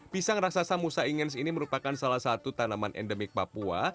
pisang raksasa musa ingins ini merupakan salah satu tanaman endemik papua